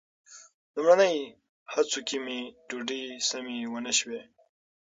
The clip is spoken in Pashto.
لومړني هڅو کې مې ډوډۍ سمې ونه شوې.